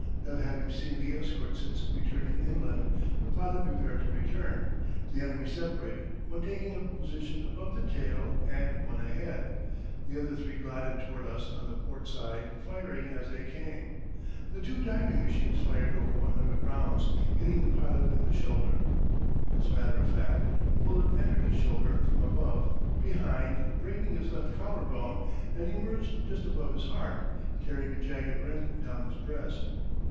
"Not having seen the escort since returning inland, the pilot prepared to return. The enemy separated, one taking up a position above the tail and one ahead. The other three glided toward us on the port side, firing as they came. The two diving machines fired over 100 rounds, hitting the pilot in the shoulder." As a matter of fact, the bullet entered his shoulder from above, behind, breaking his left collarbone, and emerged just above his heart, tearing a jagged rent down his breast.